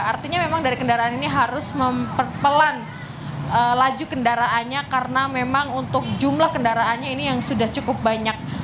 artinya memang dari kendaraan ini harus memperpelan laju kendaraannya karena memang untuk jumlah kendaraannya ini yang sudah cukup banyak